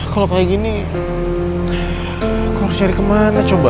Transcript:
kalau kayak gini aku harus cari kemana coba